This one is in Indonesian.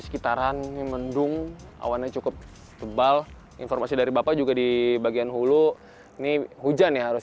sekitaran mendung awannya cukup tebal informasi dari bapak juga di bagian hulu ini hujan ya harus